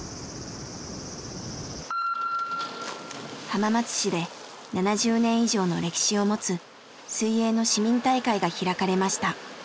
浜松市で７０年以上の歴史を持つ水泳の市民大会が開かれました。